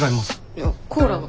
いやコーラが。